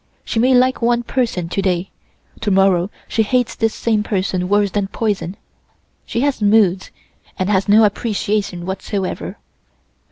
She may like one person to day, to morrow she hates this same person worse than poison. She has moods, and has no appreciation whatsoever.